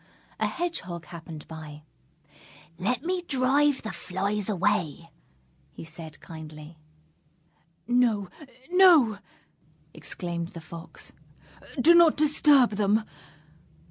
A Hedgehog happened by. "Let me drive the flies away," he said kindly. "No, no!" exclaimed the Fox, "do not disturb them!